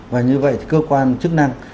và như vậy cơ quan chức năng